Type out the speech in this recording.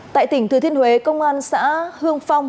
tại tỉnh thừa thiên huế công an xã hương phong